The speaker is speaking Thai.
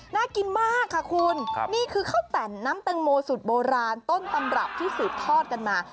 น่ากินมากค่ะคุณนี่คือข้าวแต่นน้ำแตงโมสูตรโบราณต้นตำรับที่สืบทอดกันมา